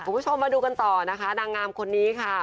คุณผู้ชมมาดูกันต่อนะคะนางงามคนนี้ค่ะ